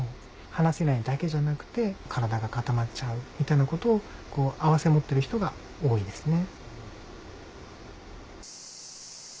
話せないだけじゃなくて体が固まっちゃうみたいなことを併せ持ってる人が多いですね。